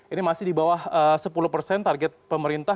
ini masih di bawah sepuluh persen target pemerintah